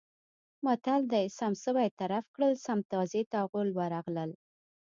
متل دی: سم سوی طرف کړل سم تازي ته غول ورغلل.